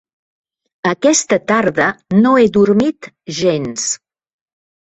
Aquesta tarda no he dormit gens.